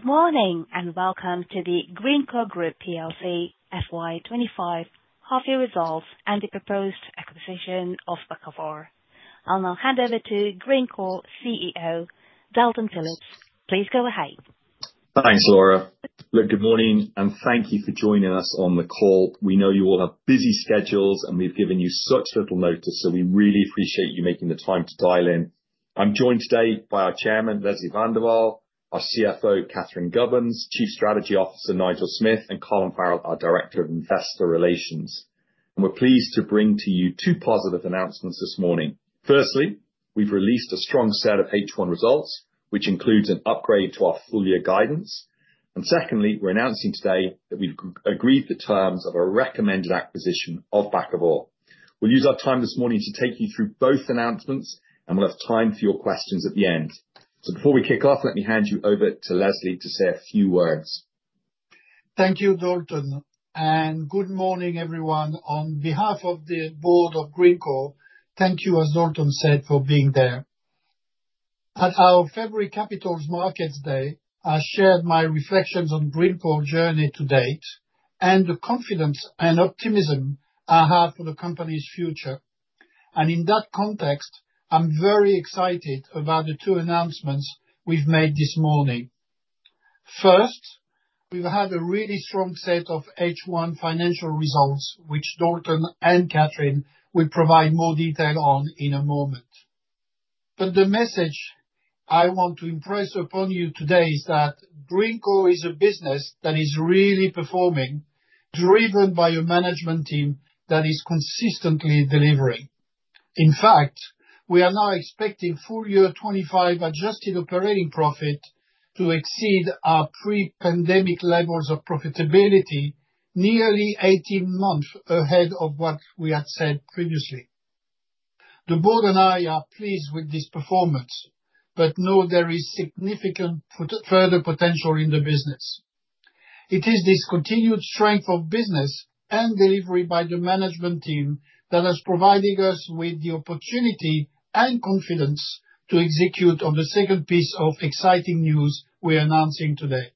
Good morning and welcome to the Greencore Group PLC FY 2025 half-year results and the proposed acquisition of Bakkavor. I'll now hand over to Greencore CEO Dalton Philips. Please go ahead. Thanks, Laura. Good morning and thank you for joining us on the call. We know you all have busy schedules and we've given you such little notice, so we really appreciate you making the time to dial in. I'm joined today by our Chairman, Leslie Van de Walle, our CFO, Catherine Gubbins, Chief Strategy Officer, Nigel Smith, and Colin Farrell, our Director of Investor Relations. We're pleased to bring to you two positive announcements this morning. Firstly, we've released a strong set of H1 results, which includes an upgrade to our full-year guidance. Secondly, we're announcing today that we've agreed the terms of a recommended acquisition of Bakkavor. We'll use our time this morning to take you through both announcements, and we'll have time for your questions at the end. Before we kick off, let me hand you over to Leslie to say a few words. Thank you, Dalton, and good morning, everyone. On behalf of the board of Greencore, thank you, as Dalton said, for being there. At our February Capital Markets Day, I shared my reflections on Greencore's journey to date and the confidence and optimism I have for the company's future. In that context, I'm very excited about the two announcements we've made this morning. First, we've had a really strong set of H1 financial results, which Dalton and Catherine will provide more detail on in a moment. The message I want to impress upon you today is that Greencore is a business that is really performing, driven by a management team that is consistently delivering. In fact, we are now expecting full-year 2025 adjusted operating profit to exceed our pre-pandemic levels of profitability, nearly 18 months ahead of what we had said previously. The board and I are pleased with this performance, but know there is significant further potential in the business. It is this continued strength of business and delivery by the management team that has provided us with the opportunity and confidence to execute on the second piece of exciting news we are announcing today.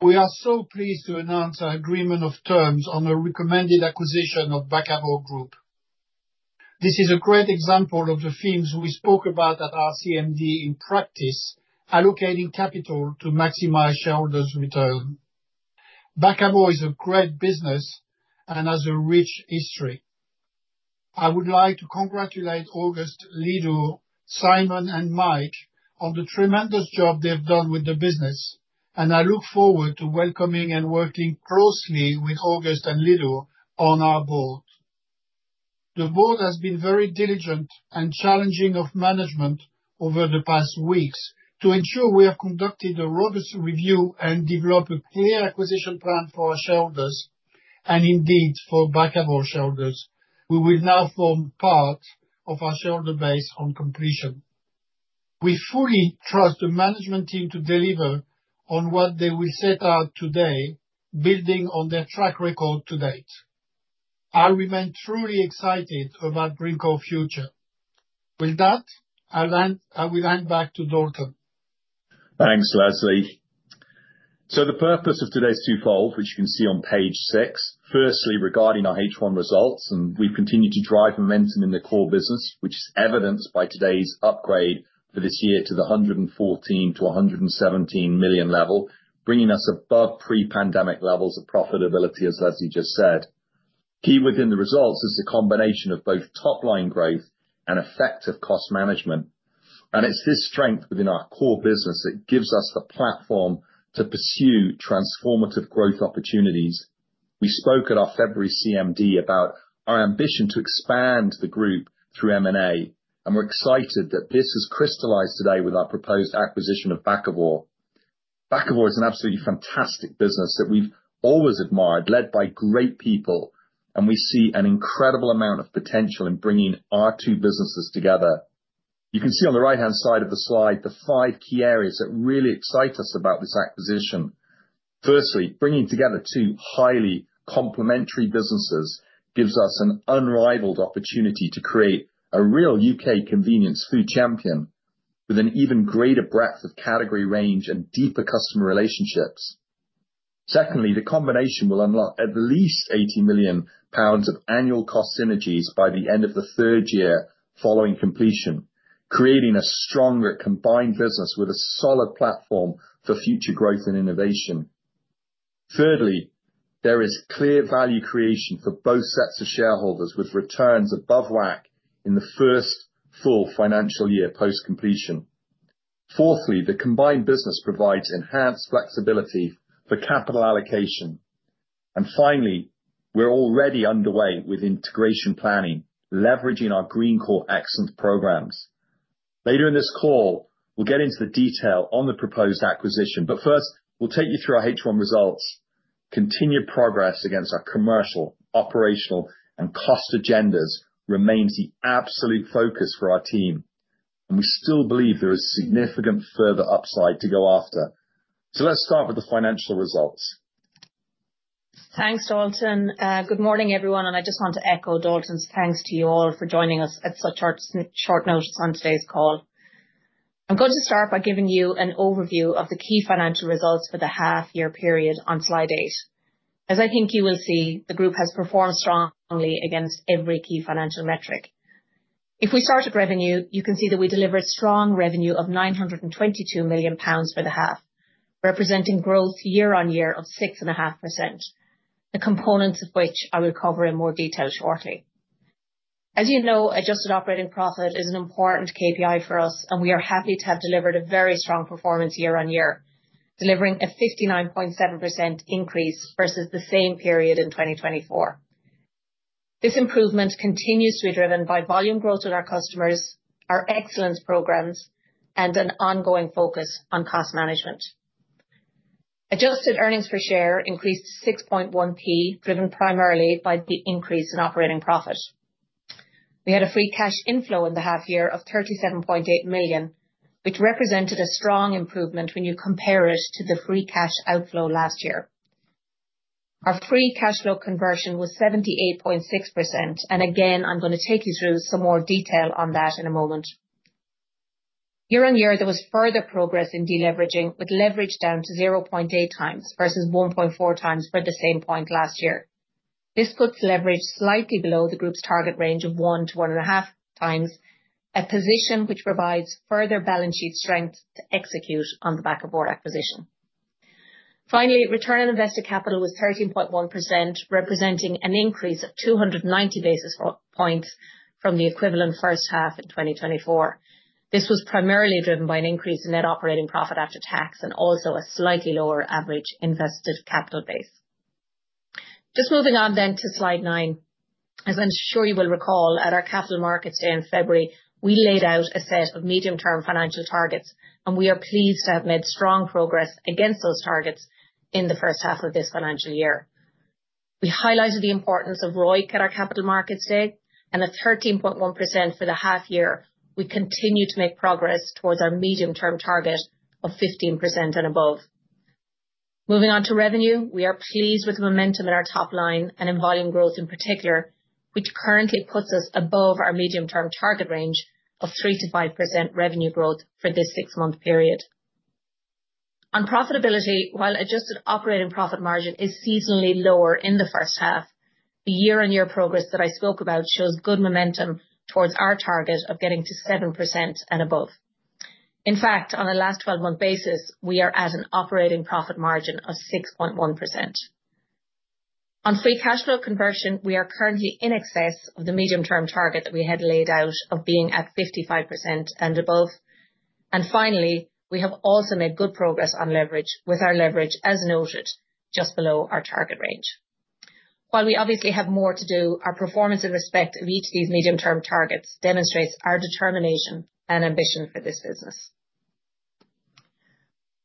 We are so pleased to announce our agreement of terms on a recommended acquisition of Bakkavor Group. This is a great example of the themes we spoke about at our CMD in practice, allocating capital to maximize shareholders' return. Bakkavor is a great business and has a rich history. I would like to congratulate Agust, Lydur, Simon, and Mike on the tremendous job they have done with the business, and I look forward to welcoming and working closely with Agust and Lydur on our board. The board has been very diligent and challenging of management over the past weeks to ensure we have conducted a robust review and developed a clear acquisition plan for our shareholders, and indeed for Bakkavor shareholders. We will now form part of our shareholder base on completion. We fully trust the management team to deliver on what they will set out today, building on their track record to date. I remain truly excited about Greencore's future. With that, I will hand back to Dalton. Thanks, Leslie. The purpose of today is twofold, which you can see on page six. Firstly, regarding our H1 results, we've continued to drive momentum in the core business, which is evidenced by today's upgrade for this year to the 114 million-117 million level, bringing us above pre-pandemic levels of profitability, as Leslie just said. Key within the results is the combination of both top-line growth and effective cost management. It's this strength within our core business that gives us the platform to pursue transformative growth opportunities. We spoke at our February CMD about our ambition to expand the group through M&A, and we're excited that this has crystallized today with our proposed acquisition of Bakkavor. Bakkavor is an absolutely fantastic business that we've always admired, led by great people, and we see an incredible amount of potential in bringing our two businesses together. You can see on the right-hand side of the slide the five key areas that really excite us about this acquisition. Firstly, bringing together two highly complementary businesses gives us an unrivaled opportunity to create a real U.K. convenience food champion with an even greater breadth of category range and deeper customer relationships. Secondly, the combination will unlock at least 80 million pounds of annual cost synergies by the end of the third year following completion, creating a stronger combined business with a solid platform for future growth and innovation. Thirdly, there is clear value creation for both sets of shareholders with returns above WACC in the first full financial year post-completion. Fourthly, the combined business provides enhanced flexibility for capital allocation. Finally, we're already underway with integration planning, leveraging our Greencore Excellence programs. Later in this call, we'll get into the detail on the proposed acquisition, but first, we'll take you through our H1 results. Continued progress against our commercial, operational, and cost agendas remains the absolute focus for our team, and we still believe there is significant further upside to go after. Let's start with the financial results. Thanks, Dalton. Good morning, everyone, and I just want to echo Dalton's thanks to you all for joining us at such short notice on today's call. I'm going to start by giving you an overview of the key financial results for the half-year period on slide eight. As I think you will see, the group has performed strongly against every key financial metric. If we start at revenue, you can see that we delivered strong revenue of 922 million pounds for the half, representing growth year-on-year of 6.5%, the components of which I will cover in more detail shortly. As you know, adjusted operating profit is an important KPI for us, and we are happy to have delivered a very strong performance year-on-year, delvering a 59.7% increase versus the same period in 2024. This improvement continues to be driven by volume growth in our customers, our excellence programs, and an ongoing focus on cost management. Adjusted earnings per share increased 6.1p, driven primarily by the increase in operating profit. We had a free cash inflow in the half-year of 37.8 million, which represented a strong improvement when you compare it to the free cash outflow last year. Our free cash flow conversion was 78.6%, and again, I'm going to take you through some more detail on that in a moment. Year-on-year, there was further progress in deleveraging, with leverage down to 0.8x versus 1.4x for the same point last year. This puts leverage slightly below the group's target range of 1x-1.5x, a position which provides further balance sheet strength to execute on the Bakkavor acquisition. Finally, return on invested capital was 13.1%, representing an increase of 290 basis points from the equivalent first half in 2024. This was primarily driven by an increase in net operating profit after tax and also a slightly lower average invested capital base. Just moving on then to slide nine. As I'm sure you will recall, at our Capital Markets Day in February, we laid out a set of medium-term financial targets, and we are pleased to have made strong progress against those targets in the first half of this financial year. We highlighted the importance of ROIC at our Capital Markets Day, and at 13.1% for the half-year, we continue to make progress towards our medium-term target of 15% and above. Moving on to revenue, we are pleased with the momentum in our top line and in volume growth in particular, which currently puts us above our medium-term target range of 3%-5% revenue growth for this six-month period. On profitability, while adjusted operating profit margin is seasonally lower in the first half, the year-on-year progress that I spoke about shows good momentum towards our target of getting to 7% and above. In fact, on a last 12-month basis, we are at an operating profit margin of 6.1%. On free cash flow conversion, we are currently in excess of the medium-term target that we had laid out of being at 55% and above. Finally, we have also made good progress on leverage with our leverage, as noted, just below our target range. While we obviously have more to do, our performance in respect of each of these medium-term targets demonstrates our determination and ambition for this business.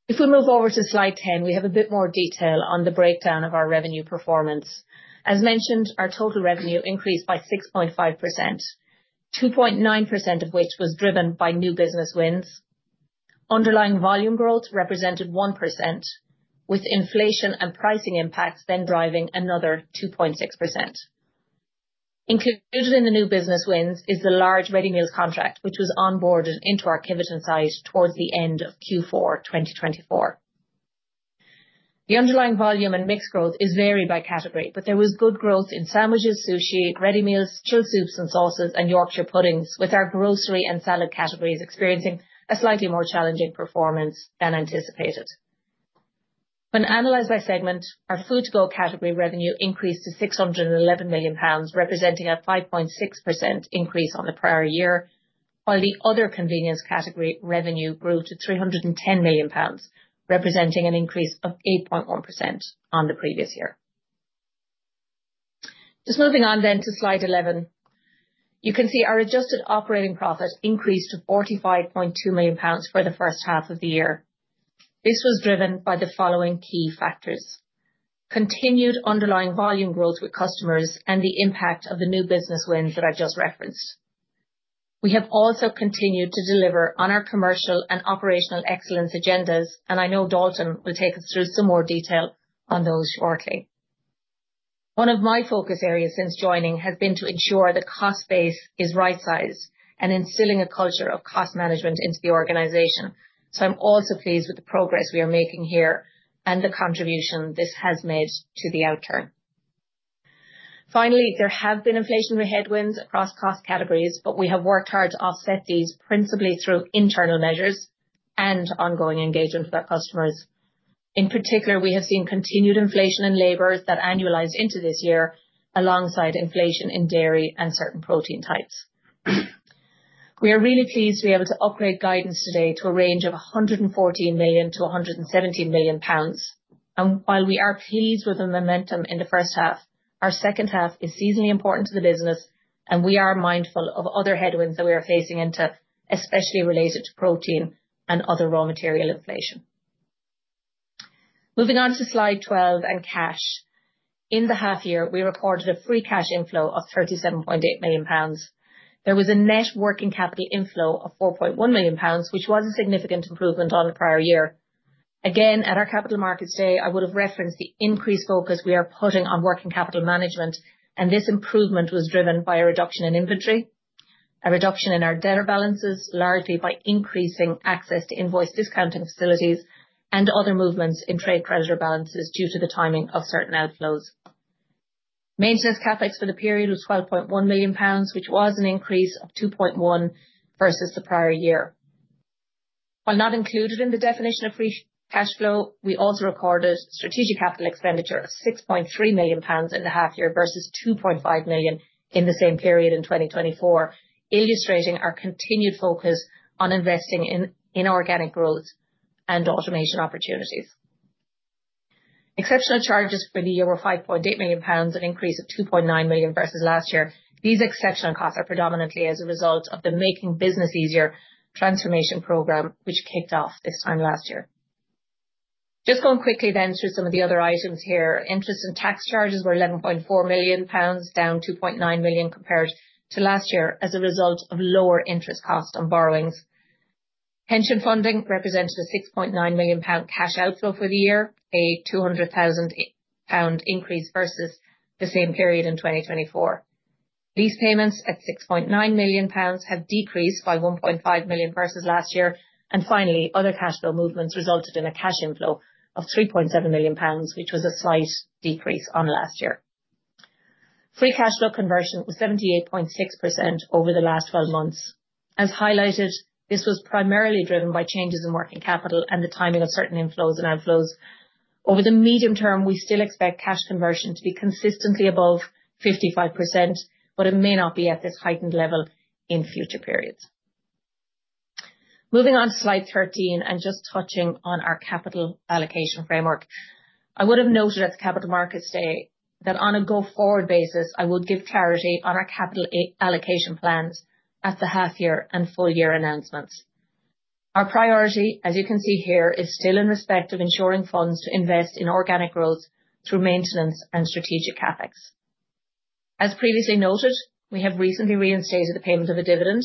If we move over to slide 10, we have a bit more detail on the breakdown of our revenue performance. As mentioned, our total revenue increased by 6.5%, 2.9% of which was driven by new business wins. Underlying volume growth represented 1%, with inflation and pricing impacts then driving another 2.6%. Included in the new business wins is the large ready meals contract, which was onboarded into our pivot and sized towards the end of Q4 2024. The underlying volume and mixed growth is varied by category, but there was good growth in sandwiches, sushi, ready meals, chilled soups and sauces, and Yorkshire puddings, with our grocery and salad categories experiencing a slightly more challenging performance than anticipated. When analyzed by segment, our food-to-go category revenue increased to 611 million pounds, representing a 5.6% increase on the prior year, while the other convenience category revenue grew to 310 million pounds, representing an increase of 8.1% on the previous year. Just moving on then to slide 11. You can see our adjusted operating profit increased to 45.2 million pounds for the first half of the year. This was driven by the following key factors: continued underlying volume growth with customers and the impact of the new business wins that I just referenced. We have also continued to deliver on our commercial and operational excellence agendas, and I know Dalton will take us through some more detail on those shortly. One of my focus areas since joining has been to ensure the cost base is right-sized and instilling a culture of cost management into the organization. I am also pleased with the progress we are making here and the contribution this has made to the outcome. Finally, there have been inflationary headwinds across cost categories, but we have worked hard to offset these principally through internal measures and ongoing engagement with our customers. In particular, we have seen continued inflation in labor that annualized into this year alongside inflation in dairy and certain protein types. We are really pleased to be able to upgrade guidance today to a range of 114 million-117 million pounds. While we are pleased with the momentum in the first half, our second half is seasonally important to the business, and we are mindful of other headwinds that we are facing into especially related to protein and other raw material inflation. Moving on to slide 12 and cash. In the half-year, we recorded a free cash inflow of 37.8 million pounds. There was a net working capital inflow of 4.1 million pounds, which was a significant improvement on the prior year. At our Capital Markets Day, I would have referenced the increased focus we are putting on working capital management, and this improvement was driven by a reduction in inventory, a reduction in our debtor balances largely by increasing access to invoice discounting facilities, and other movements in trade creditor balances due to the timing of certain outflows. Maintenance CapEx for the period was 12.1 million pounds, which was an increase of 2.1 million versus the prior year. While not included in the definition of free cash flow, we also recorded strategic capital expenditure of 6.3 million pounds in the half-year versus 2.5 million in the same period in 2024, illustrating our continued focus on investing in inorganic growth and automation opportunities. Exceptional charges for the year were 5.8 million pounds and an increase of 2.9 million versus last year. These exceptional costs are predominantly as a result of the Making Business Easier transformation program, which kicked off this time last year. Just going quickly then through some of the other items here, interest and tax charges were 11.4 million pounds, down 2.9 million compared to last year as a result of lower interest costs on borrowings. Pension funding represented a 6.9 million pound cash outflow for the year, a 200,000 pound increase versus the same period in 2024. Lease payments at 6.9 million pounds have decreased by 1.5 million versus last year. Finally, other cash flow movements resulted in a cash inflow of 3.7 million pounds, which was a slight decrease on last year. Free cash flow conversion was 78.6% over the last 12 months. As highlighted, this was primarily driven by changes in working capital and the timing of certain inflows and outflows. Over the medium term, we still expect cash conversion to be consistently above 55%, but it may not be at this heightened level in future periods. Moving on to slide 13 and just touching on our capital allocation framework, I would have noted at the Capital Markets Day that on a go-forward basis, I would give clarity on our capital allocation plans at the half-year and full-year announcements. Our priority, as you can see here, is still in respect of ensuring funds to invest in organic growth through maintenance and strategic CapEx. As previously noted, we have recently reinstated the payment of a dividend,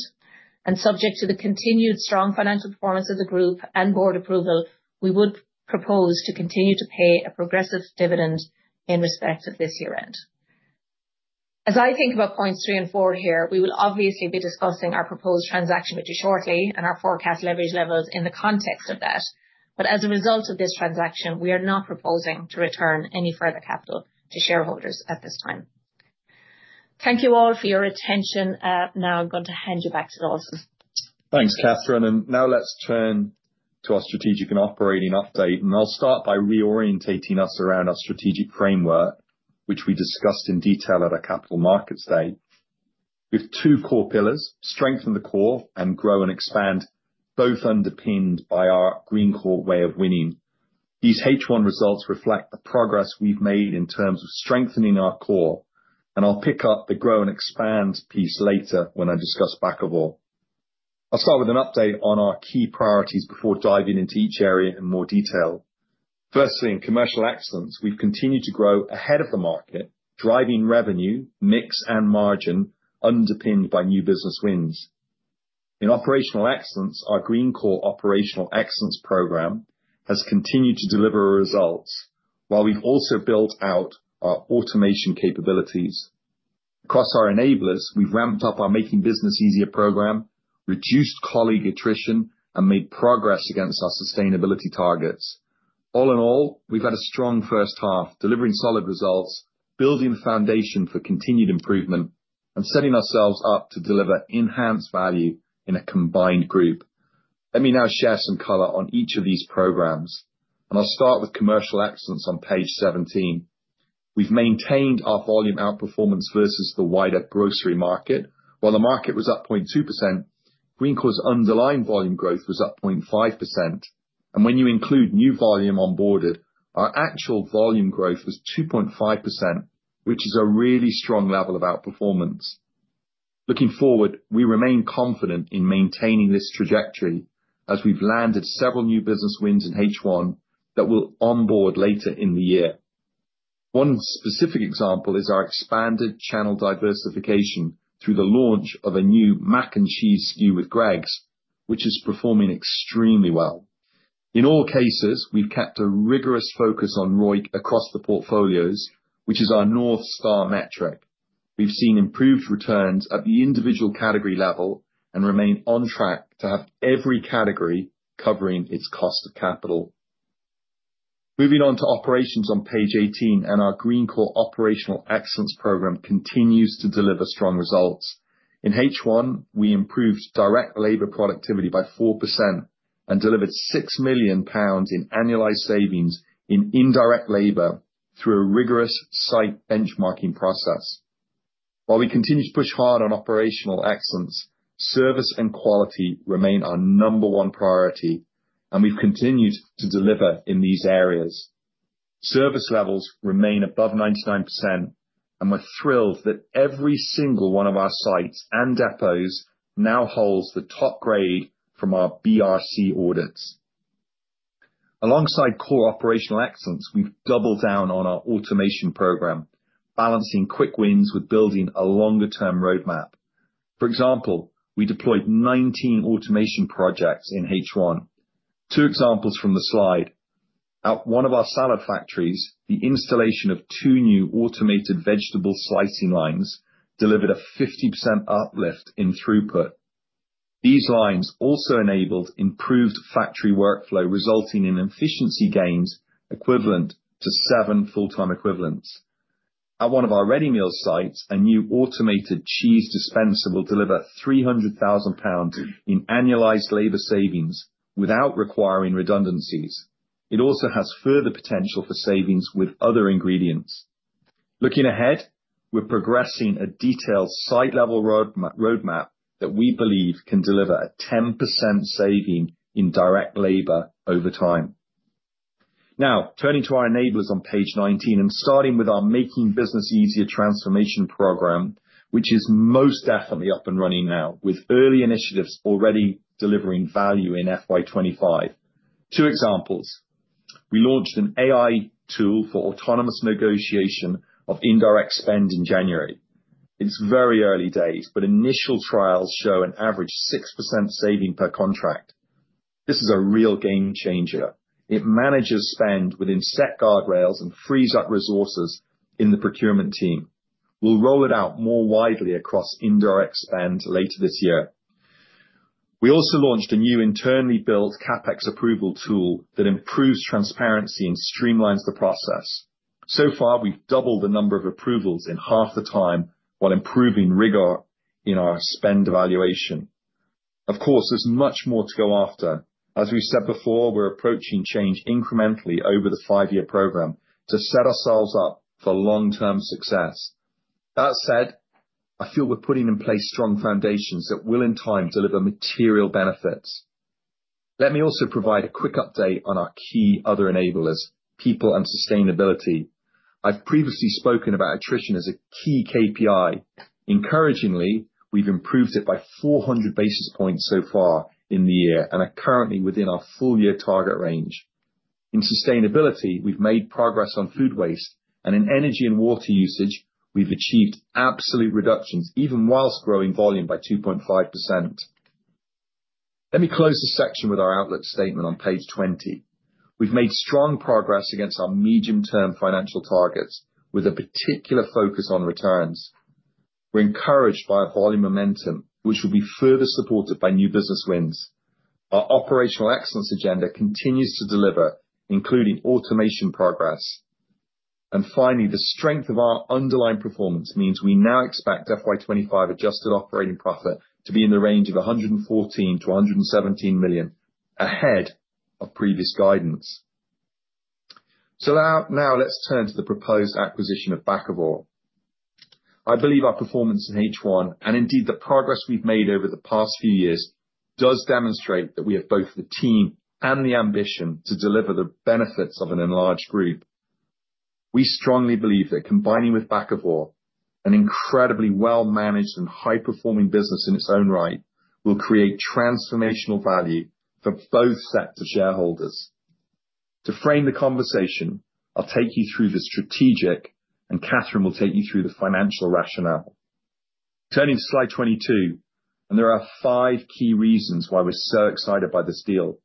and subject to the continued strong financial performance of the group and board approval, we would propose to continue to pay a progressive dividend in respect of this year-end. As I think about points three and four here, we will obviously be discussing our proposed transaction with you shortly and our forecast leverage levels in the context of that. As a result of this transaction, we are not proposing to return any further capital to shareholders at this time. Thank you all for your attention. Now I'm going to hand you back to Dalton. Thanks, Catherine. Now let's turn to our strategic and operating update. I'll start by reorientating us around our strategic framework, which we discussed in detail at our Capital Markets Day. We have two core pillars: strengthen the core and grow and expand, both underpinned by our Greencore way of winning. These H1 results reflect the progress we've made in terms of strengthening our core, and I'll pick up the grow and expand piece later when I discuss Bakkavor. I'll start with an update on our key priorities before diving into each area in more detail. Firstly, in commercial excellence, we've continued to grow ahead of the market, driving revenue, mix, and margin underpinned by new business wins. In operational excellence, our Greencore Operational Excellence Program has continued to deliver results, while we've also built out our automation capabilities. Across our enablers, we've ramped up our Making Business Easier program, reduced colleague attrition, and made progress against our sustainability targets. All in all, we've had a strong first half, delivering solid results, building the foundation for continued improvement, and setting ourselves up to deliver enhanced value in a combined group. Let me now share some color on each of these programs, and I'll start with commercial excellence on page 17. We've maintained our volume outperformance versus the wider grocery market. While the market was up 0.2%, Greencore's underlying volume growth was up 0.5%. When you include new volume onboarded, our actual volume growth was 2.5%, which is a really strong level of outperformance. Looking forward, we remain confident in maintaining this trajectory as we've landed several new business wins in H1 that we'll onboard later in the year. One specific example is our expanded channel diversification through the launch of a new Mac and Cheese SKU with Greggs, which is performing extremely well. In all cases, we've kept a rigorous focus on ROIC across the portfolios, which is our North Star metric. We've seen improved returns at the individual category level and remain on track to have every category covering its cost of capital. Moving on to operations on page 18, our Greencore Operational Excellence Program continues to deliver strong results. In H1, we improved direct labor productivity by 4% and delivered 6 million pounds in annualized savings in indirect labor through a rigorous site benchmarking process. While we continue to push hard on operational excellence, service and quality remain our number one priority, and we've continued to deliver in these areas. Service levels remain above 99%, and we're thrilled that every single one of our sites and depots now holds the top grade from our BRC audits. Alongside core operational excellence, we've doubled down on our automation program, balancing quick wins with building a longer-term roadmap. For example, we deployed 19 automation projects in H1. Two examples from the slide. At one of our salad factories, the installation of two new automated vegetable slicing lines delivered a 50% uplift in throughput. These lines also enabled improved factory workflow, resulting in efficiency gains equivalent to seven full-time equivalents. At one of our ready meals sites, a new automated cheese dispenser will deliver 300,000 pounds in annualized labor savings without requiring redundancies. It also has further potential for savings with other ingredients. Looking ahead, we're progressing a detailed site-level roadmap that we believe can deliver a 10% saving in direct labor over time. Now, turning to our enablers on page 19 and starting with our Making Business Easier transformation program, which is most definitely up and running now, with early initiatives already delivering value in FY 2025. Two examples. We launched an AI tool for autonomous negotiation of indirect spend in January. It is very early days, but initial trials show an average 6% saving per contract. This is a real game changer. It manages spend within set guardrails and frees up resources in the procurement team. We will roll it out more widely across indirect spend later this year. We also launched a new internally built CapEx approval tool that improves transparency and streamlines the process. So far, we have doubled the number of approvals in half the time while improving rigor in our spend evaluation. Of course, there is much more to go after. As we said before, we're approaching change incrementally over the five-year program to set ourselves up for long-term success. That said, I feel we're putting in place strong foundations that will, in time, deliver material benefits. Let me also provide a quick update on our key other enablers, people and sustainability. I've previously spoken about attrition as a key KPI. Encouragingly, we've improved it by 400 basis points so far in the year and are currently within our full-year target range. In sustainability, we've made progress on food waste, and in energy and water usage, we've achieved absolute reductions even whilst growing volume by 2.5%. Let me close the section with our outlook statement on page 20. We've made strong progress against our medium-term financial targets with a particular focus on returns. We're encouraged by volume momentum, which will be further supported by new business wins. Our operational excellence agenda continues to deliver, including automation progress. Finally, the strength of our underlying performance means we now expect FY 2025 adjusted operating profit to be in the range of 114 million-117 million ahead of previous guidance. Now let's turn to the proposed acquisition of Bakkavor. I believe our performance in H1 and indeed the progress we've made over the past few years does demonstrate that we have both the team and the ambition to deliver the benefits of an enlarged group. We strongly believe that combining with Bakkavor, an incredibly well-managed and high-performing business in its own right, will create transformational value for both sets of shareholders. To frame the conversation, I'll take you through the strategic, and Catherine will take you through the financial rationale. Turning to slide 22, there are five key reasons why we're so excited by this deal.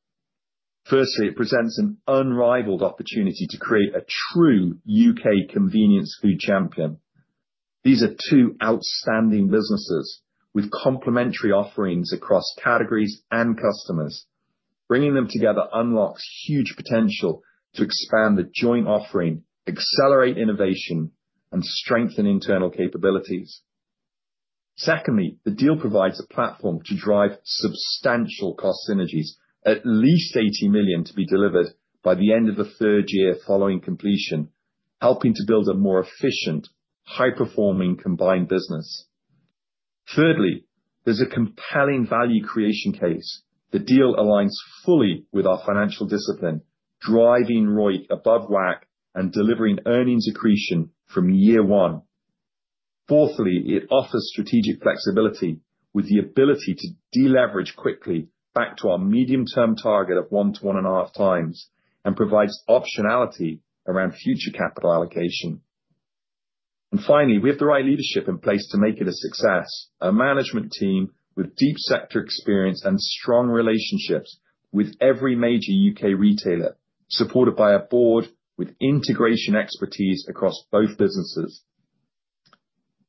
Firstly, it presents an unrivaled opportunity to create a true U.K. convenience food champion. These are two outstanding businesses with complementary offerings across categories and customers. Bringing them together unlocks huge potential to expand the joint offering, accelerate innovation, and strengthen internal capabilities. Secondly, the deal provides a platform to drive substantial cost synergies, at least 80 million to be delivered by the end of the third year following completion, helping to build a more efficient, high-performing combined business. Thirdly, there's a compelling value creation case. The deal aligns fully with our financial discipline, driving ROIC above WACC and delivering earnings accretion from year one. Fourthly, it offers strategic flexibility with the ability to deleverage quickly back to our medium-term target of 1x-1.5x and provides optionality around future capital allocation. Finally, we have the right leadership in place to make it a success, a management team with deep sector experience and strong relationships with every major U.K. retailer, supported by a board with integration expertise across both businesses.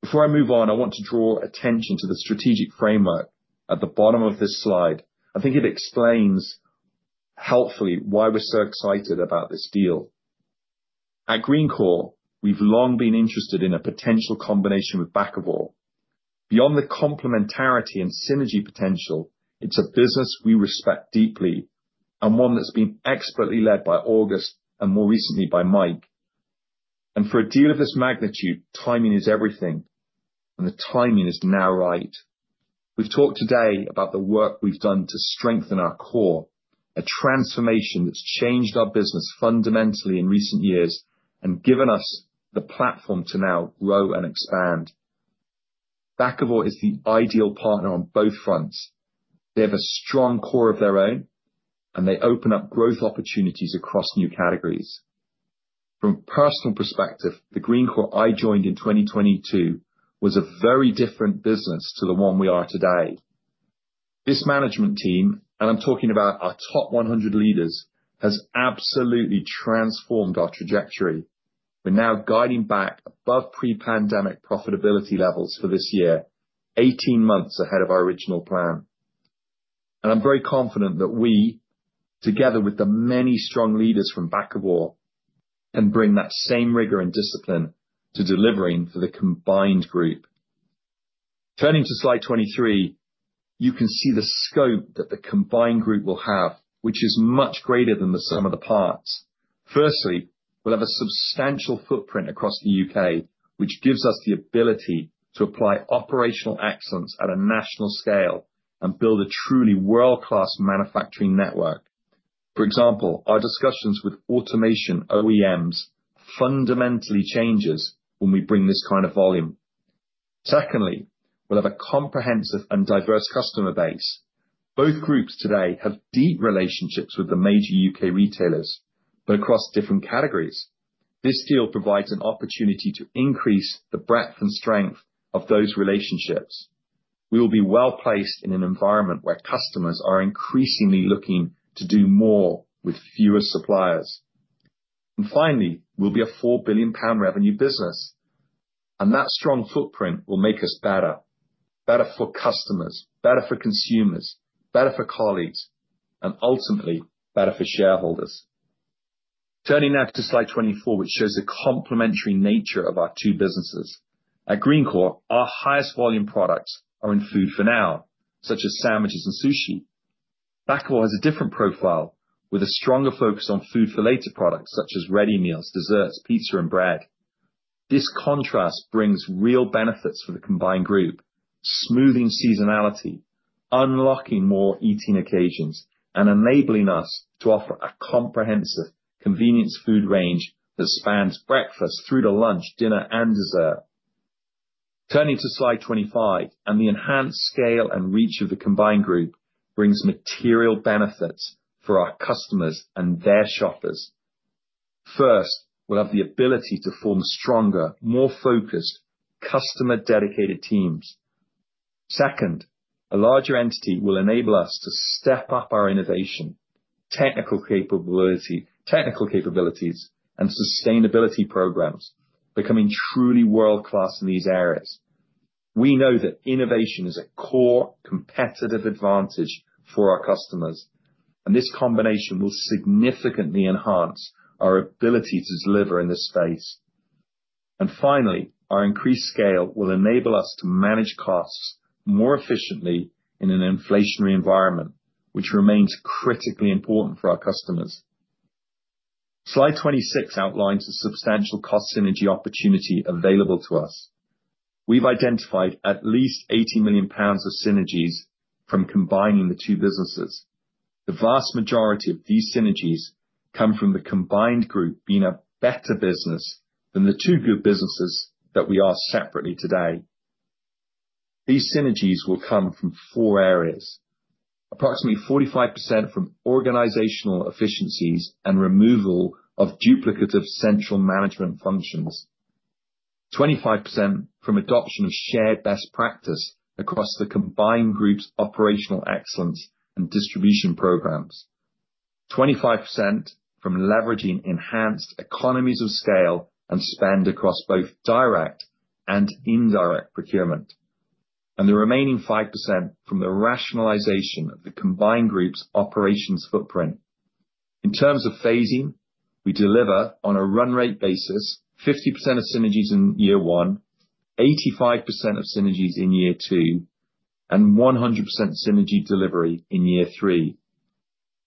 Before I move on, I want to draw attention to the strategic framework at the bottom of this slide. I think it explains helpfully why we're so excited about this deal. At Greencore, we've long been interested in a potential combination with Bakkavor. Beyond the complementarity and synergy potential, it's a business we respect deeply and one that's been expertly led by Agust and more recently by Mike. For a deal of this magnitude, timing is everything, and the timing is now right. We've talked today about the work we've done to strengthen our core, a transformation that's changed our business fundamentally in recent years and given us the platform to now grow and expand. Bakkavor is the ideal partner on both fronts. They have a strong core of their own, and they open up growth opportunities across new categories. From a personal perspective, the Greencore I joined in 2022 was a very different business to the one we are today. This management team, and I'm talking about our top 100 leaders, has absolutely transformed our trajectory. We're now guiding back above pre-pandemic profitability levels for this year, 18 months ahead of our original plan. I am very confident that we, together with the many strong leaders from Bakkavor, can bring that same rigor and discipline to delivering for the combined group. Turning to slide 23, you can see the scope that the combined group will have, which is much greater than the sum of the parts. Firstly, we'll have a substantial footprint across the U.K., which gives us the ability to apply operational excellence at a national scale and build a truly world-class manufacturing network. For example, our discussions with automation OEMs fundamentally change when we bring this kind of volume. Secondly, we'll have a comprehensive and diverse customer base. Both groups today have deep relationships with the major U.K. retailers, but across different categories. This deal provides an opportunity to increase the breadth and strength of those relationships. We will be well placed in an environment where customers are increasingly looking to do more with fewer suppliers. We'll be a 4 billion pound revenue business, and that strong footprint will make us better, better for customers, better for consumers, better for colleagues, and ultimately better for shareholders. Turning now to slide 24, which shows the complementary nature of our two businesses. At Greencore, our highest volume products are in food for now, such as sandwiches and sushi. Bakkavor has a different profile with a stronger focus on food for later products, such as ready meals, desserts, pizza, and bread. This contrast brings real benefits for the combined group, smoothing seasonality, unlocking more eating occasions, and enabling us to offer a comprehensive convenience food range that spans breakfast through to lunch, dinner, and dessert. Turning to slide 25, the enhanced scale and reach of the combined group brings material benefits for our customers and their shoppers. First, we'll have the ability to form stronger, more focused, customer-dedicated teams. Second, a larger entity will enable us to step up our innovation, technical capabilities, and sustainability programs, becoming truly world-class in these areas. We know that innovation is a core competitive advantage for our customers, and this combination will significantly enhance our ability to deliver in this space. Finally, our increased scale will enable us to manage costs more efficiently in an inflationary environment, which remains critically important for our customers. Slide 26 outlines a substantial cost synergy opportunity available to us. We've identified at least 80 million pounds of synergies from combining the two businesses. The vast majority of these synergies come from the combined group being a better business than the two group businesses that we are separately today. These synergies will come from four areas: approximately 45% from organizational efficiencies and removal of duplicative central management functions, 25% from adoption of shared best practice across the combined group's operational excellence and distribution programs, 25% from leveraging enhanced economies of scale and spend across both direct and indirect procurement, and the remaining 5% from the rationalization of the combined group's operations footprint. In terms of phasing, we deliver on a run rate basis: 50% of synergies in year one, 85% of synergies in year two, and 100% synergy delivery in year three.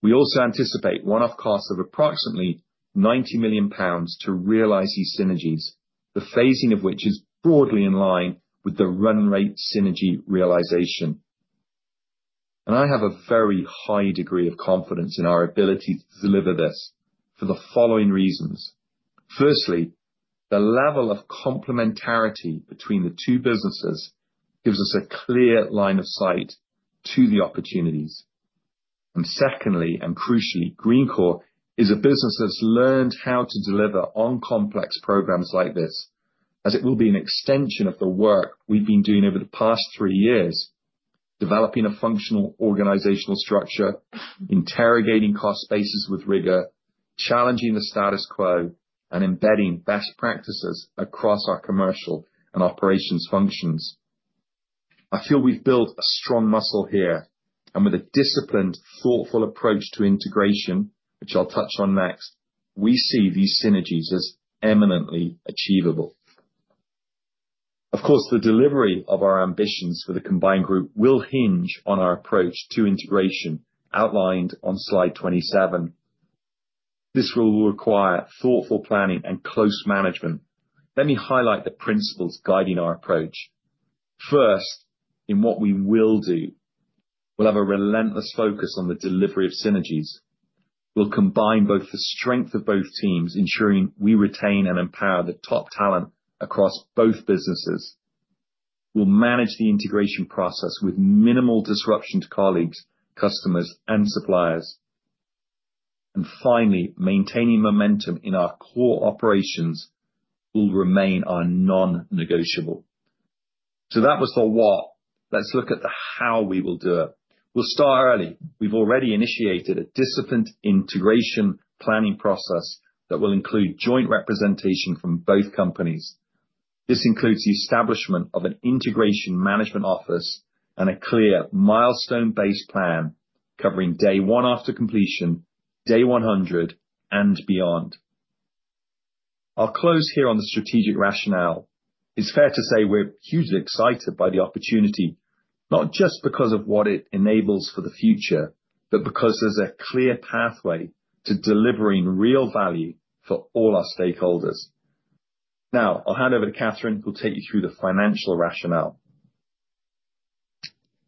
We also anticipate one-off costs of approximately 90 million pounds to realize these synergies, the phasing of which is broadly in line with the run rate synergy realization. I have a very high degree of confidence in our ability to deliver this for the following reasons. Firstly, the level of complementarity between the two businesses gives us a clear line of sight to the opportunities. Secondly, and crucially, Greencore is a business that's learned how to deliver on complex programs like this, as it will be an extension of the work we've been doing over the past three years: developing a functional organizational structure, interrogating cost bases with rigor, challenging the status quo, and embedding best practices across our commercial and operations functions. I feel we've built a strong muscle here, and with a disciplined, thoughtful approach to integration, which I'll touch on next, we see these synergies as eminently achievable. Of course, the delivery of our ambitions for the combined group will hinge on our approach to integration outlined on slide 27. This will require thoughtful planning and close management. Let me highlight the principles guiding our approach. First, in what we will do, we'll have a relentless focus on the delivery of synergies. We'll combine both the strength of both teams, ensuring we retain and empower the top talent across both businesses. We'll manage the integration process with minimal disruption to colleagues, customers, and suppliers. Finally, maintaining momentum in our core operations will remain our non-negotiable. That was the what. Let's look at the how we will do it. We'll start early. We've already initiated a disciplined integration planning process that will include joint representation from both companies. This includes the establishment of an integration management office and a clear milestone-based plan covering day one after completion, day 100, and beyond. I'll close here on the strategic rationale. It's fair to say we're hugely excited by the opportunity, not just because of what it enables for the future, but because there's a clear pathway to delivering real value for all our stakeholders. Now, I'll hand over to Catherine, who'll take you through the financial rationale.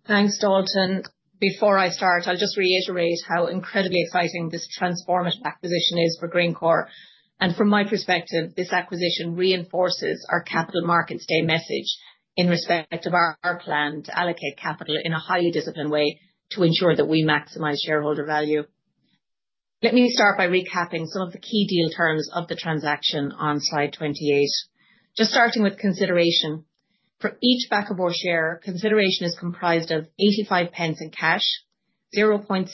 Thanks, Dalton. Before I start, I'll just reiterate how incredibly exciting this transformative acquisition is for Greencore. From my perspective, this acquisition reinforces our Capital Markets Day message in respect of our plan to allocate capital in a highly disciplined way to ensure that we maximize shareholder value. Let me start by recapping some of the key deal terms of the transaction on slide 28. Just starting with consideration, for each Bakkavor share, consideration is comprised of 85 in cash, 0.604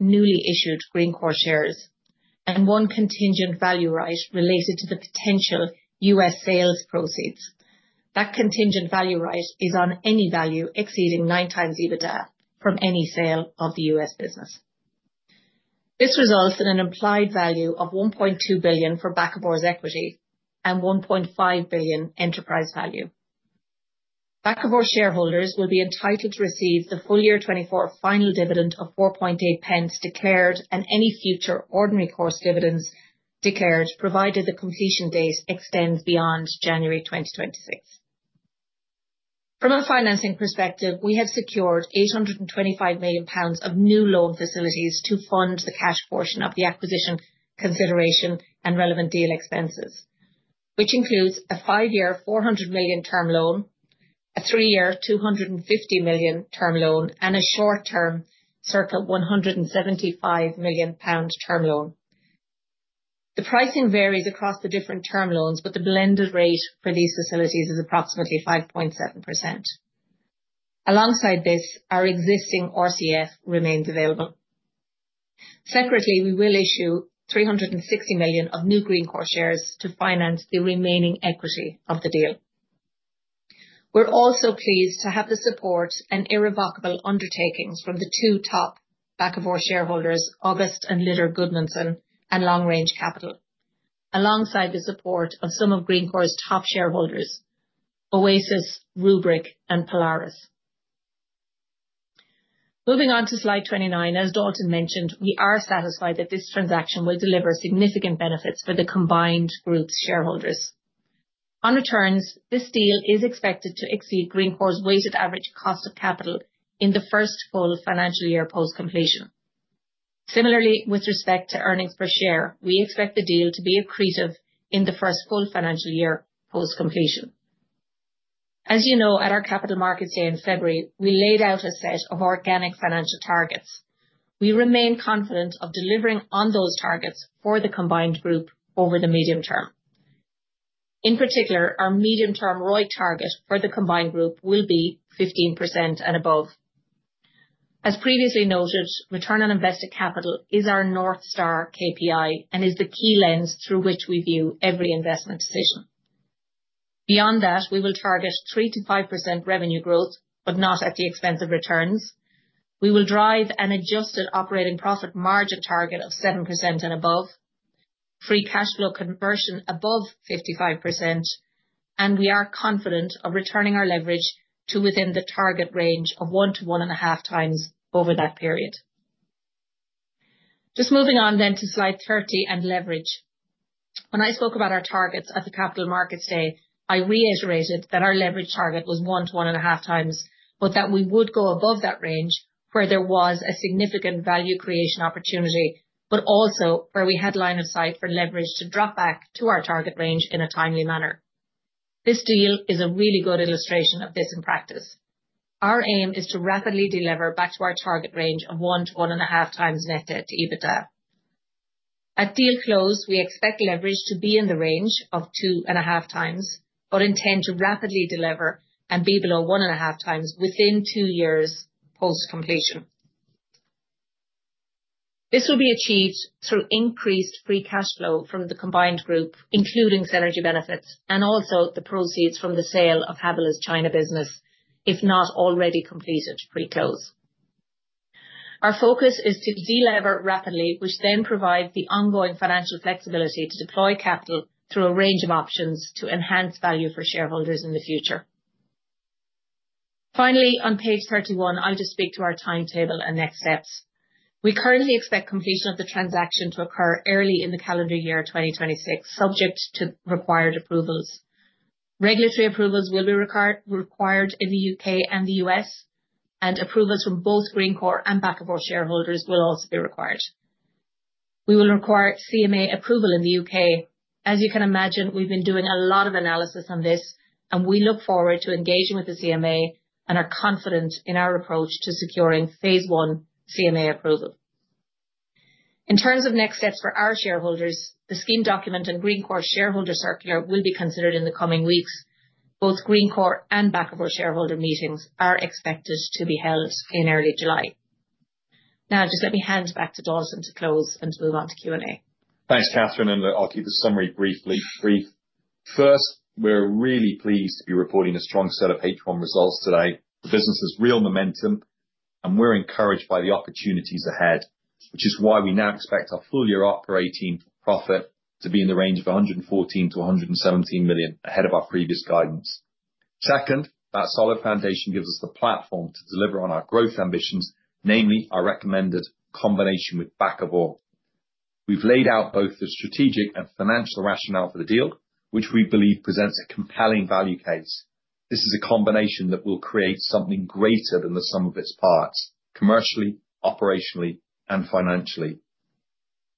newly issued Greencore shares, and one contingent value right related to the potential U.S. sales proceeds. That contingent value right is on any value exceeding 9x EBITDA from any sale of the U.S. business. This results in an implied value of 1.2 billion for Bakkavor's equity and 1.5 billion enterprise value. Bakkavor shareholders will be entitled to receive the full year 2024 final dividend of 4.8 declared and any future ordinary course dividends declared, provided the completion date extends beyond January 2026. From a financing perspective, we have secured 825 million pounds of new loan facilities to fund the cash portion of the acquisition consideration and relevant deal expenses, which includes a five-year 400 million term loan, a three-year 250 million term loan, and a short-term circa 175 million pounds term loan. The pricing varies across the different term loans, but the blended rate for these facilities is approximately 5.7%. Alongside this, our existing RCF remains available. Separately, we will issue 360 million of new Greencore shares to finance the remaining equity of the deal. We're also pleased to have the support and irrevocable undertakings from the two top Bakkavor shareholders, Agust and Lydur Gdmundsson, and Long Range Capital, alongside the support of some of Greencore's top shareholders, Oasis, Rubric, and Polaris. Moving on to slide 29, as Dalton mentioned, we are satisfied that this transaction will deliver significant benefits for the combined group's shareholders. On returns, this deal is expected to exceed Greencore's weighted average cost of capital in the first full financial year post-completion. Similarly, with respect to earnings per share, we expect the deal to be accretive in the first full financial year post-completion. As you know, at our Capital Markets Day in February, we laid out a set of organic financial targets. We remain confident of delivering on those targets for the combined group over the medium term. In particular, our medium-term ROIC target for the combined group will be 15% and above. As previously noted, return on invested capital is our North Star KPI and is the key lens through which we view every investment decision. Beyond that, we will target 3%-5% revenue growth, but not at the expense of returns. We will drive an adjusted operating profit margin target of 7% and above, free cash flow conversion above 55%, and we are confident of returning our leverage to within the target range of 1x-1.5x over that period. Just moving on then to slide 30 and leverage. When I spoke about our targets at the Capital Markets Day, I reiterated that our leverage target was 1x-1.5x, but that we would go above that range where there was a significant value creation opportunity, but also where we had line of sight for leverage to drop back to our target range in a timely manner. This deal is a really good illustration of this in practice. Our aim is to rapidly deliver back to our target range of 1x-1.5x net debt to EBITDA. At deal close, we expect leverage to be in the range of 2.5x, but intend to rapidly deliver and be below 1.5x within two years post-completion. This will be achieved through increased free cash flow from the combined group, including synergy benefits, and also the proceeds from the sale of Habelo's China business, if not already completed pre-close. Our focus is to deliver rapidly, which then provides the ongoing financial flexibility to deploy capital through a range of options to enhance value for shareholders in the future. Finally, on page 31, I'll just speak to our timetable and next steps. We currently expect completion of the transaction to occur early in the calendar year 2026, subject to required approvals. Regulatory approvals will be required in the U.K. and the U.S., and approvals from both Greencore and Bakkavor shareholders will also be required. We will require CMA approval in the U.K. As you can imagine, we've been doing a lot of analysis on this, and we look forward to engaging with the CMA and are confident in our approach to securing phase I CMA approval. In terms of next steps for our shareholders, the scheme document and Greencore shareholder circular will be considered in the coming weeks. Both Greencore and Bakkavor shareholder meetings are expected to be held in early July. Now, just let me hand back to Dalton to close and to move on to Q&A. Thanks, Catherine, and I'll keep the summary brief. First, we're really pleased to be reporting a strong set of H1 results today. The business has real momentum, and we're encouraged by the opportunities ahead, which is why we now expect our full year operating profit to be in the range of 114 million-117 million ahead of our previous guidance. Second, that solid foundation gives us the platform to deliver on our growth ambitions, namely our recommended combination with Bakkavor. We've laid out both the strategic and financial rationale for the deal, which we believe presents a compelling value case. This is a combination that will create something greater than the sum of its parts: commercially, operationally, and financially.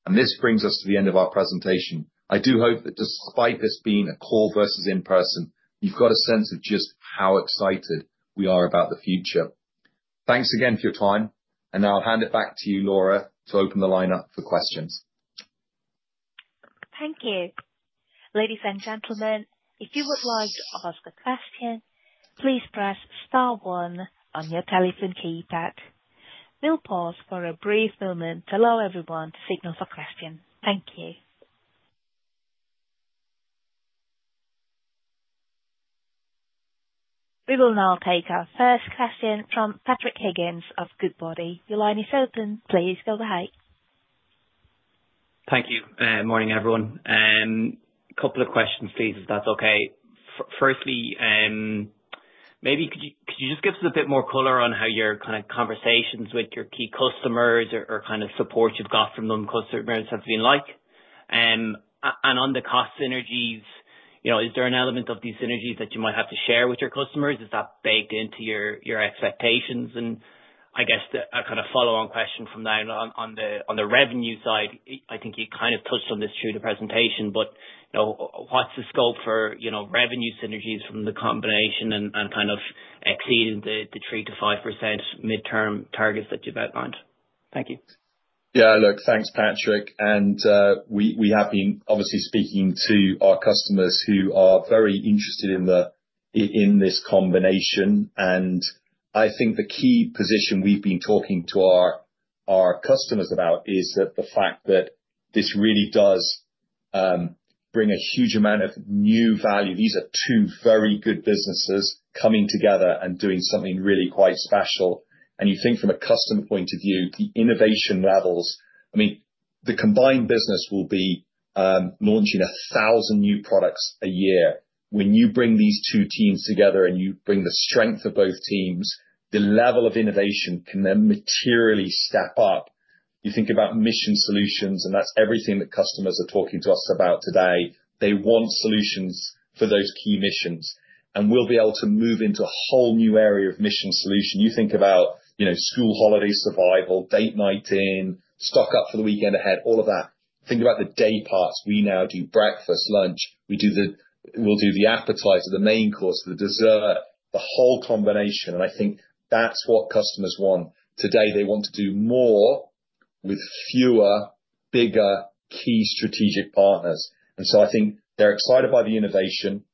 This brings us to the end of our presentation. I do hope that despite this being a call versus in person, you've got a sense of just how excited we are about the future. Thanks again for your time, and now I'll hand it back to you, Laura, to open the line up for questions. Thank you. Ladies and gentlemen, if you would like to ask a question, please press star one on your telephone keypad. We'll pause for a brief moment to allow everyone to signal for questions. Thank you. We will now take our first question from Patrick Higgins of Goodbody. Your line is open. Please go ahead. Thank you. Morning, everyone. A couple of questions, please, if that's okay. Firstly, maybe could you just give us a bit more color on how your kind of conversations with your key customers or kind of support you've got from them customers have been like? On the cost synergies, is there an element of these synergies that you might have to share with your customers? Is that baked into your expectations? I guess a kind of follow-on question from that on the revenue side, I think you kind of touched on this through the presentation, but what's the scope for revenue synergies from the combination and kind of exceeding the 3%-5% midterm targets that you've outlined? Thank you. Yeah, look, thanks, Patrick. We have been obviously speaking to our customers who are very interested in this combination. I think the key position we have been talking to our customers about is the fact that this really does bring a huge amount of new value. These are two very good businesses coming together and doing something really quite special. You think from a customer point of view, the innovation levels, I mean, the combined business will be launching 1,000 new products a year. When you bring these two teams together and you bring the strength of both teams, the level of innovation can then materially step up. You think about mission solutions, and that is everything that customers are talking to us about today. They want solutions for those key missions. We will be able to move into a whole new area of mission solution. You think about school holiday survival, date night in, stock up for the weekend ahead, all of that. Think about the day parts. We now do breakfast, lunch. We will do the appetizer, the main course, the dessert, the whole combination. I think that is what customers want. Today, they want to do more with fewer, bigger key strategic partners. I think they are excited by the innovation.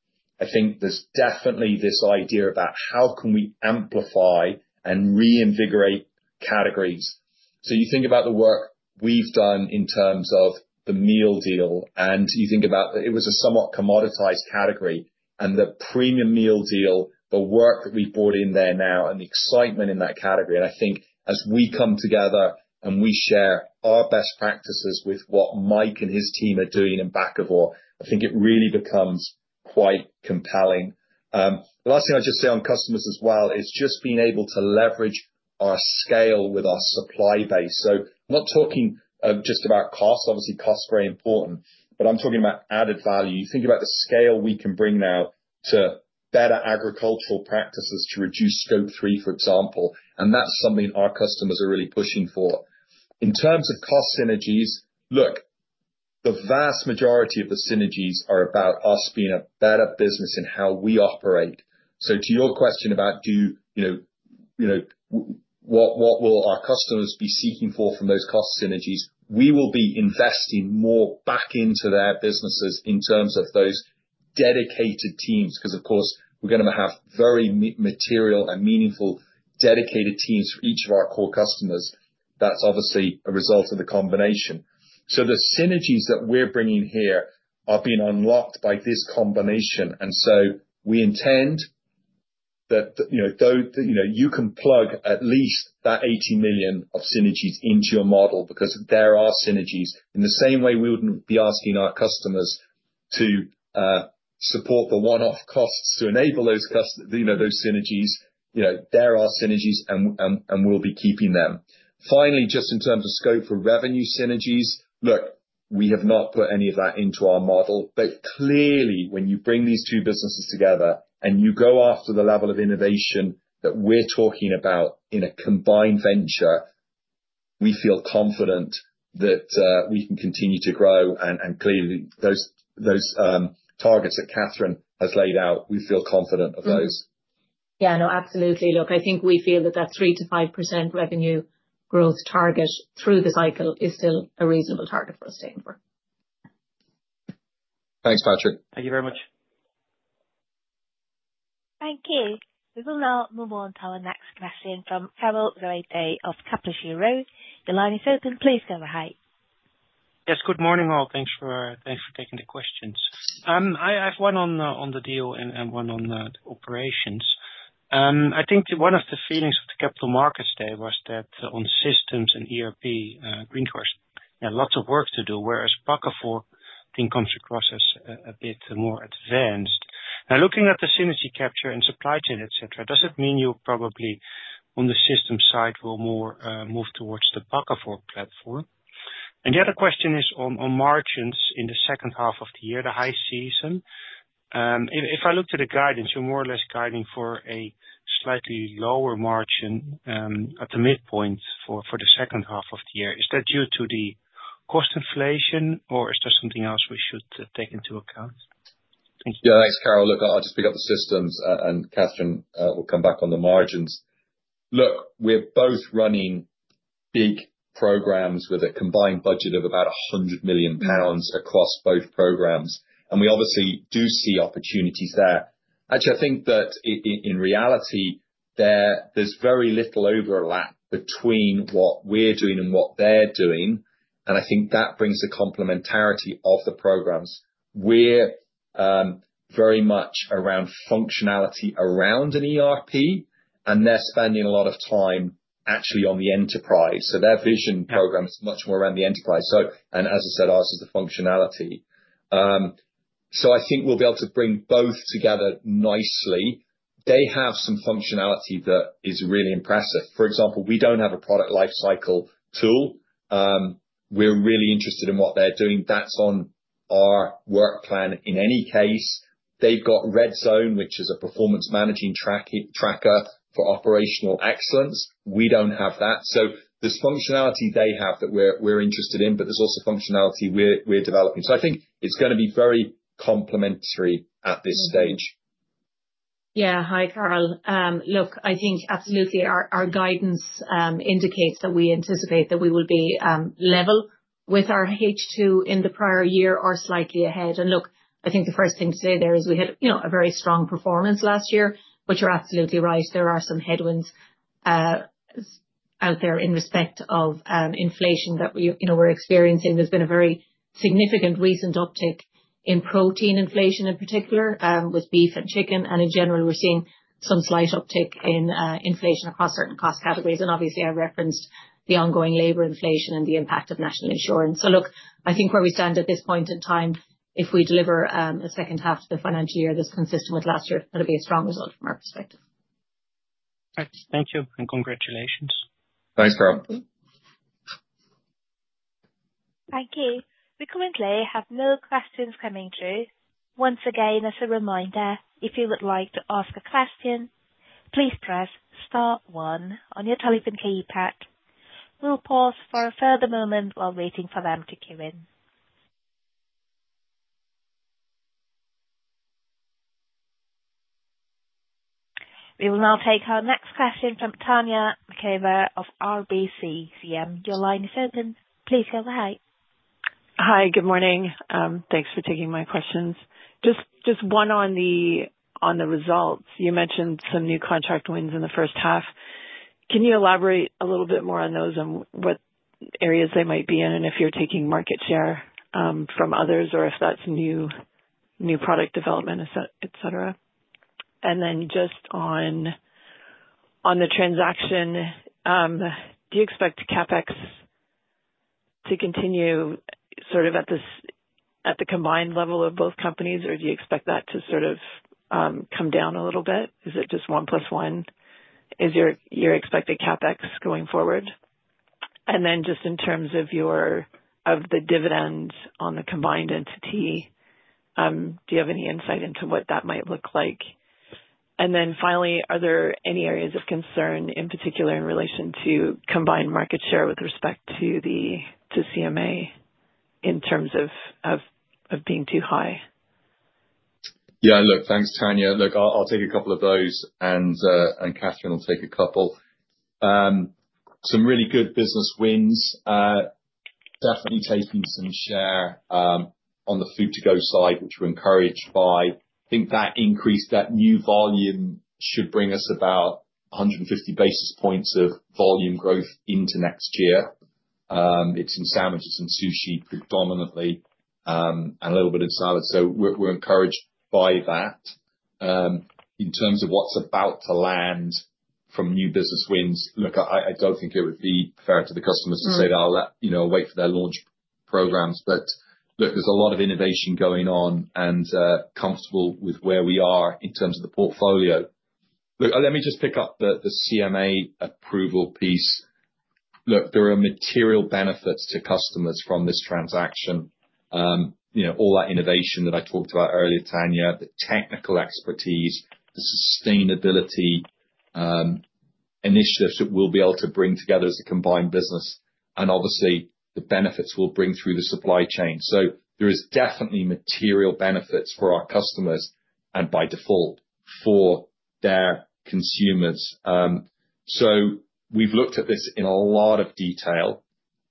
I think there is definitely this idea about how can we amplify and reinvigorate categories. You think about the work we have done in terms of the meal deal, and you think about it was a somewhat commoditized category. The premium meal deal, the work that we have brought in there now, and the excitement in that category. I think as we come together and we share our best practices with what Mike and his team are doing in Bakkavor, I think it really becomes quite compelling. The last thing I'd just say on customers as well is just being able to leverage our scale with our supply base. I'm not talking just about cost. Obviously, cost is very important, but I'm talking about added value. You think about the scale we can bring now to better agricultural practices to reduce scope three, for example. That's something our customers are really pushing for. In terms of cost synergies, look, the vast majority of the synergies are about us being a better business in how we operate. To your question about what will our customers be seeking for from those cost synergies, we will be investing more back into their businesses in terms of those dedicated teams. Of course, we are going to have very material and meaningful dedicated teams for each of our core customers. That is obviously a result of the combination. The synergies that we are bringing here are being unlocked by this combination. We intend that you can plug at least that 80 million of synergies into your model because there are synergies. In the same way, we would not be asking our customers to support the one-off costs to enable those synergies. There are synergies, and we will be keeping them. Finally, just in terms of scope for revenue synergies, look, we have not put any of that into our model. Clearly, when you bring these two businesses together and you go after the level of innovation that we're talking about in a combined venture, we feel confident that we can continue to grow. Clearly, those targets that Catherine has laid out, we feel confident of those. Yeah, no, absolutely. Look, I think we feel that that 3%-5% revenue growth target through the cycle is still a reasonable target for us to aim for. Thanks, Patrick. Thank you very much. Thank you. We will now move on to our next question from Karel Zoete of Kepler Cheuvreux. The line is open. Please go ahead. Yes, good morning all. Thanks for taking the questions. I have one on the deal and one on the operations. I think one of the feelings of the Capital Markets Day was that on systems and ERP, Greencore, lots of work to do, whereas Bakkavor, I think, comes across as a bit more advanced. Now, looking at the synergy capture and supply chain, etc., does it mean you'll probably on the system side will more move towards the Bakkavor platform? The other question is on margins in the second half of the year, the high season. If I look to the guidance, you're more or less guiding for a slightly lower margin at the midpoint for the second half of the year. Is that due to the cost inflation, or is there something else we should take into account? Thank you. Yeah, thanks, Karel. Look, I'll just pick up the systems, and Catherine will come back on the margins. Look, we're both running big programs with a combined budget of about 100 million pounds across both programs, and we obviously do see opportunities there. Actually, I think that in reality, there's very little overlap between what we're doing and what they're doing. I think that brings the complementarity of the programs. We're very much around functionality around an ERP, and they're spending a lot of time actually on the enterprise. Their vision program is much more around the enterprise. As I said, ours is the functionality. I think we'll be able to bring both together nicely. They have some functionality that is really impressive. For example, we don't have a product lifecycle tool. We're really interested in what they're doing. That's on our work plan in any case. They've got Redzone, which is a performance managing tracker for operational excellence. We don't have that. There's functionality they have that we're interested in, but there's also functionality we're developing. I think it's going to be very complementary at this stage. Yeah. Hi, Karel. Look, I think absolutely our guidance indicates that we anticipate that we will be level with our H2 in the prior year or slightly ahead. I think the first thing to say there is we had a very strong performance last year, but you're absolutely right. There are some headwinds out there in respect of inflation that we're experiencing. There's been a very significant recent uptick in protein inflation in particular with beef and chicken. In general, we're seeing some slight uptick in inflation across certain cost categories. Obviously, I referenced the ongoing labor inflation and the impact of national insurance. Look, I think where we stand at this point in time, if we deliver a second half of the financial year that's consistent with last year, that'll be a strong result from our perspective. Thank you and congratulations. Thanks, Karel. Thank you. We currently have no questions coming through. Once again, as a reminder, if you would like to ask a question, please press star one on your telephone keypad. We'll pause for a further moment while waiting for them to queue in. We will now take our next question from Tania Maciver of RBC CM. Your line is open. Please go ahead. Hi, good morning. Thanks for taking my questions. Just one on the results. You mentioned some new contract wins in the first half. Can you elaborate a little bit more on those and what areas they might be in and if you're taking market share from others or if that's new product development, etc.? Just on the transaction, do you expect CapEx to continue sort of at the combined level of both companies, or do you expect that to sort of come down a little bit? Is it just one plus one? Is your expected CapEx going forward? In terms of the dividend on the combined entity, do you have any insight into what that might look like? Finally, are there any areas of concern in particular in relation to combined market share with respect to CMA in terms of being too high? Yeah, look, thanks, Tania. Look, I'll take a couple of those, and Catherine will take a couple. Some really good business wins, definitely taking some share on the food-to-go side, which we're encouraged by. I think that increase, that new volume should bring us about 150 basis points of volume growth into next year. It's in sandwiches and sushi predominantly and a little bit of salad. We're encouraged by that. In terms of what's about to land from new business wins, I don't think it would be fair to the customers to say; they'll wait for their launch programs. There's a lot of innovation going on and comfortable with where we are in terms of the portfolio. Let me just pick up the CMA approval piece. There are material benefits to customers from this transaction. All that innovation that I talked about earlier, Tania, the technical expertise, the sustainability initiatives that we'll be able to bring together as a combined business, and obviously, the benefits we'll bring through the supply chain. There are definitely material benefits for our customers and by default for their consumers. We've looked at this in a lot of detail.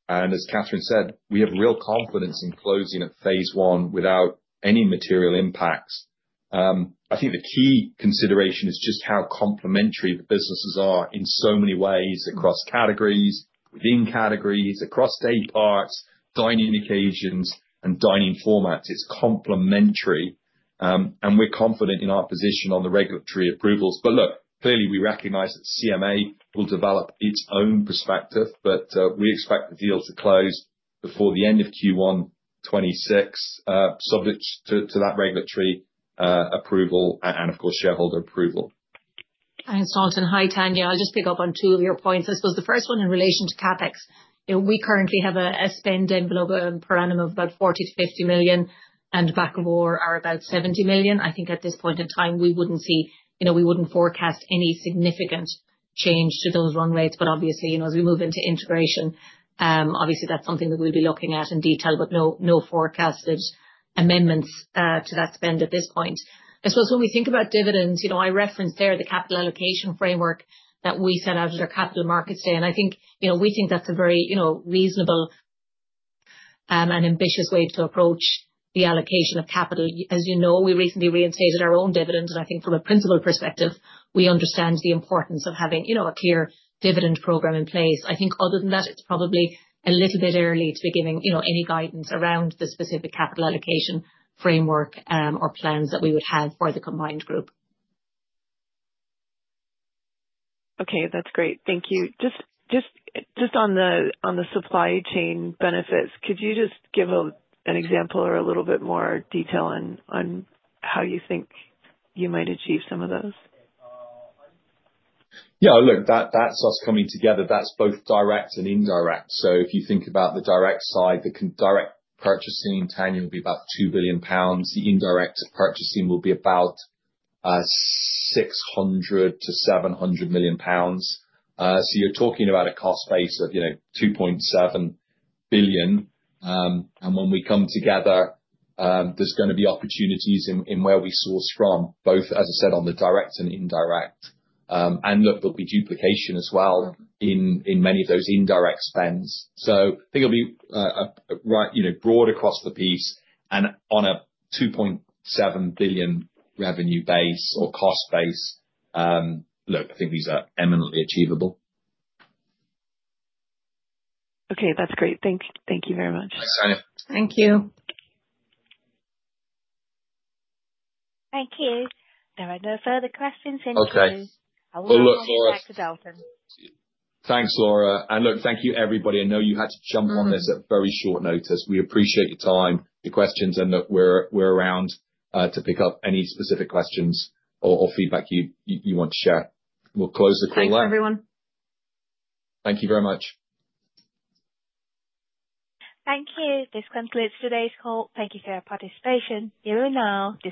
As Catherine said, we have real confidence in closing at phase one without any material impacts. I think the key consideration is just how complementary the businesses are in so many ways across categories, within categories, across day parts, dining occasions, and dining formats. It's complementary. We're confident in our position on the regulatory approvals. But look, clearly, we recognize that CMA will develop its own perspective, but we expect the deal to close before the end of Q1 2026, subject to that regulatory approval and, of course, shareholder approval. Thanks, Dalton. Hi, Tania. I'll just pick up on two of your points. I suppose the first one in relation to CapEx. We currently have a spend envelope per annum of about 40 million-50 million, and Bakkavor are about 70 million. I think at this point in time, we wouldn't see, we wouldn't forecast any significant change to those run rates. But obviously, as we move into integration, obviously, that's something that we'll be looking at in detail, but no forecasted amendments to that spend at this point. I suppose when we think about dividends, I referenced there the capital allocation framework that we set out at our Capital Markets Day. I think we think that's a very reasonable and ambitious way to approach the allocation of capital. As you know, we recently reinstated our own dividends, and I think from a principal perspective, we understand the importance of having a clear dividend program in place. I think other than that, it's probably a little bit early to be giving any guidance around the specific capital allocation framework or plans that we would have for the combined group. Okay, that's great. Thank you. Just on the supply chain benefits, could you just give an example or a little bit more detail on how you think you might achieve some of those? Yeah, look, that's us coming together. That's both direct and indirect. If you think about the direct side, the direct purchasing, Tania will be about 2 billion pounds. The indirect purchasing will be about 600 million-700 million pounds. You're talking about a cost base of 2.7 billion. When we come together, there's going to be opportunities in where we source from, both, as I said, on the direct and indirect. There'll be duplication as well in many of those indirect spends. I think it'll be broad across the piece. On a 2.7 billion revenue base or cost base, I think these are eminently achievable. Okay, that's great. Thank you very much. Thanks, Tania. Thank you. Thank you. There are no further questions in the room. Okay. We'll look forward to it. Thanks, Laura. Thank you, everybody. I know you had to jump on this at very short notice. We appreciate your time, your questions, and that we're around to pick up any specific questions or feedback you want to share. We'll close the call now. Thanks, everyone. Thank you very much. Thank you. This concludes today's call. Thank you for your participation. You will now see.